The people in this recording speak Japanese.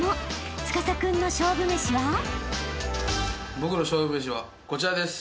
僕の勝負めしはこちらです。